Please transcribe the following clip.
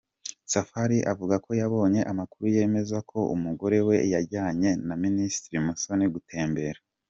Safari avuga ko yabonye amakuru yemeza ko umugore we yajyanye na Minisitiri Musoni gutembera.